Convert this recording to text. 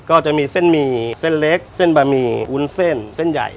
ก็จะมีเส้นหมี่เส้นเล็กเส้นบะหมี่วุ้นเส้นเส้นใหญ่